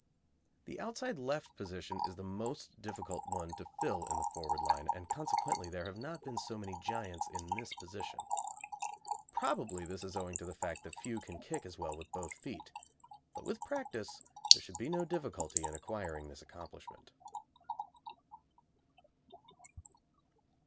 The outside left position is the most difficult one to fill in the forward line, and consequently there have not been so many giants in this position. Probably this is owing to the fact that few can kick as well with both feet, but with practice there should be no difficulty in acquiring this accomplishment.